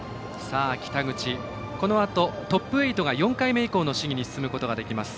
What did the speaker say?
北口、このあとトップ８が４回目以降の試技に進むことができます。